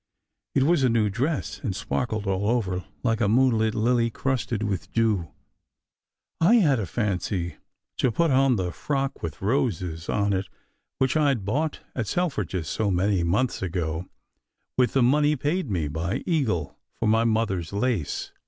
It was a new dress, and sparkled all over like a moonlit lily crusted with dew. I had a fancy to put on the frock with roses on it, which I d bought at Selfridge s so many months ago, with the money paid me by Eagle for my mother s lace.